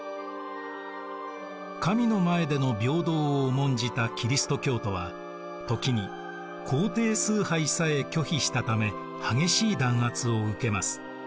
神の前での平等を重んじたキリスト教徒は時に皇帝崇拝さえ拒否したため激しい弾圧を受けます。